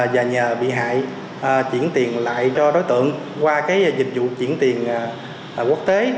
và nhờ bị hại chuyển tiền lại cho đối tượng qua dịch vụ chuyển tiền quốc tế